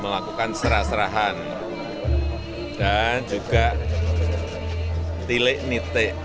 melakukan serasrahan dan juga tilek nite